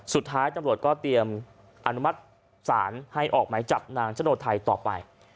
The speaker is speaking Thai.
สุดท้ายจำรวจก็เตรียมอนุมัติสารให้ออกไหมจากนางชะโดทัยต่อไป